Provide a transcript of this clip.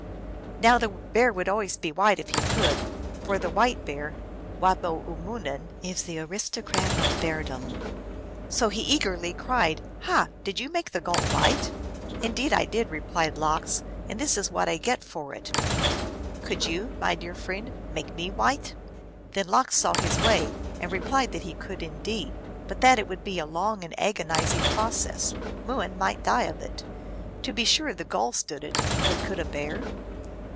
" Now the Bear would always be white if he could, for the White Bear (wabeyu mooin) is the aristocrat of Beardom. So he eagerly cried, " Ha ! did you make the Gull white ?"" Indeed I did," replied Lox. " And this is what I get for it." THE MERRY TALES OF LOX. 191 " Could you, my dear friend, could you make me white ?" Then Lox saw his way, and replied that he could indeed, but that it would be a long and agonizing process ; Mooin might die of it. To be sure the Gull stood it, but could a Bear?